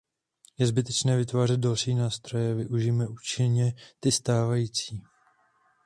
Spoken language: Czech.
Je zbytečné vytvářet další nástroje; využijme účinně ty stávající.